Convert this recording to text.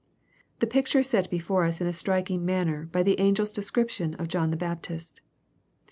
The picture is set before us in a striking manner by the angel's description of John the Baptist.